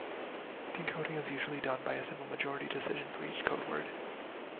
Decoding is usually done by a simple majority decision for each code word.